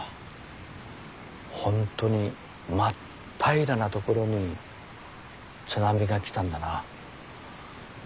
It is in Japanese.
ほんとに真っ平らな所に津波が来たんだな。